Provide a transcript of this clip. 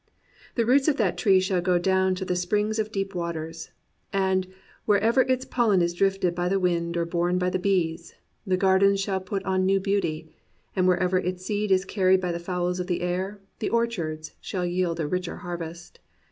The roots of the tree shall go down to the springs of deep waters; and wherever its pollen is drifted by the wind or borne by the bees, the gar dens shall put on new beauty; and wherever its seed is carried by the fowls of the air, the orchards shall yield a richer harvest.